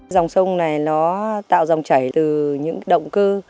dòng sông này nó tạo dòng chảy từ những động cơ